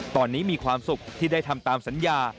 ตอนนี้มีความสุขที่ได้ทำตามสัญญา